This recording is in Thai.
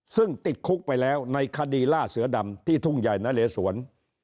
ซึ่งติดคุกไปแล้วในคดีล่าเสือดำที่ทุ่งใหญ่นะเลสวน